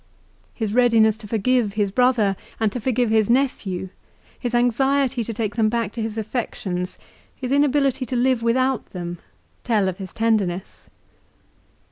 His readiness to forgive his brother and to forgive his nephew, his anxiety to take them back to his affections, his inability to live without them, tell of his tenderness.